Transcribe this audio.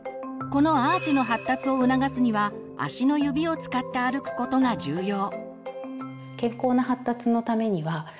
このアーチの発達を促すには足の指を使って歩くことが重要。